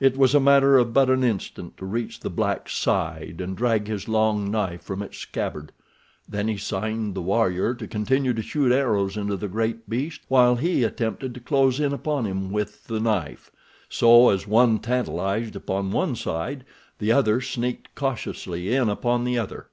It was a matter of but an instant to reach the black's side and drag his long knife from its scabbard. Then he signed the warrior to continue to shoot arrows into the great beast while he attempted to close in upon him with the knife; so as one tantalized upon one side, the other sneaked cautiously in upon the other.